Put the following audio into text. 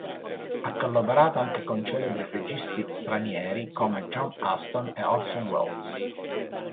Ha collaborato anche con celebri registi stranieri, come John Huston ed Orson Welles.